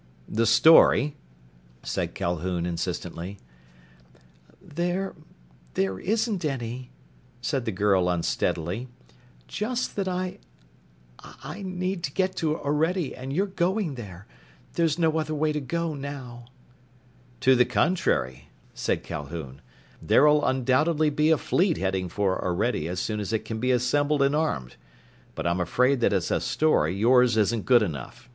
"The story?" said Calhoun insistently. "There there isn't any," said the girl unsteadily. "Just that I I need to get to Orede, and you're going there. There's no other way to go, now." "To the contrary," said Calhoun. "There'll undoubtedly be a fleet heading for Orede as soon as it can be assembled and armed. But I'm afraid that as a story yours isn't good enough.